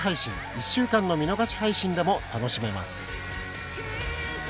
１週間の見逃し配信でも楽しめます。